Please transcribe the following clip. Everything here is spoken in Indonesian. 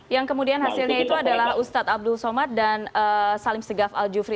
yang kemudian hasilnya itu adalah ustadz abdul somad dan salim segaf al jufri